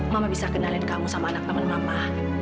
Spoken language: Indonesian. mama bisa kenalin kamu sama anak teman mama